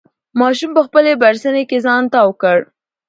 ماشوم په خپلې بړستنې کې ځان تاو کړ.